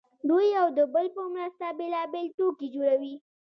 دوی یو د بل په مرسته بېلابېل توکي جوړوي